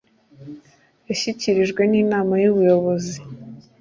yashyikirijwe n inama y ubuyobozi